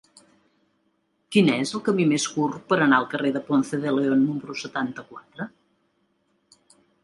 Quin és el camí més curt per anar al carrer de Ponce de León número setanta-quatre?